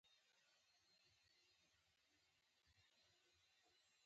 ګاونډي سره ښه طرز ولره